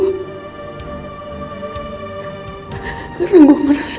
gue ngelakuin ini semua